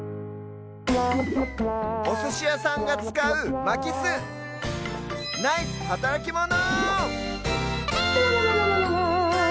おすしやさんがつかうまきすナイスはたらきモノ！